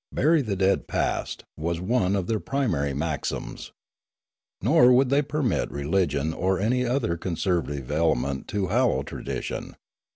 Bury the dead past, was one of their primary maxims. Nor would they permit re ligion or any other conservative element to hallow tradition.